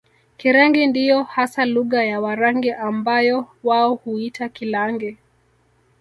Kirangi ndiyo hasa lugha ya Warangi ambayo wao huiita Kilaangi